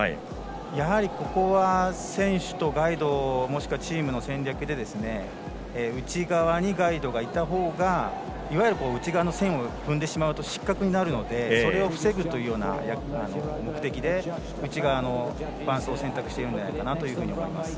ここは選手とガイドもしくはチームの戦略で内側にガイドがいたほうがいわゆる内側の線を踏んでしまうと失格になるのでそれを防ぐという目的で内側の伴走を選択しているんじゃないかなと思います。